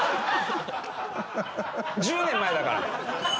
１０年前だから。